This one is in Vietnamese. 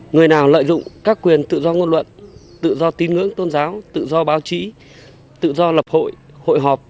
người nào lợi dụng các quyền tự do ngôn luận tự do tin ngưỡng tôn giáo tự do báo chí tự do lập hội hội họp